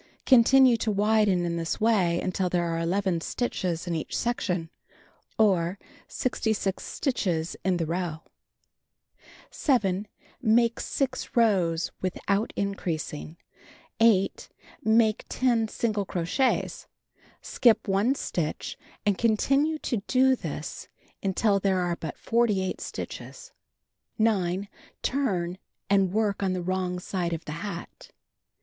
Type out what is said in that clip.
Continue to widen in this way until there are 11 stitches in each section, or 66 stitches in the row. 7. Make 6 rows without increasing. 8. Make 10 single crochets; skip 1 stitch and continue to do this until there are but 48 stitches. 9. Turn, and work on the wi'ong side of the hat.